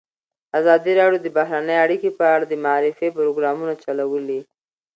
ازادي راډیو د بهرنۍ اړیکې په اړه د معارفې پروګرامونه چلولي.